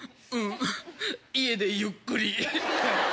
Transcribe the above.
うん家でゆっくり。